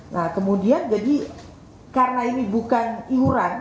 nah kemudian jadi karena ini bukan iuran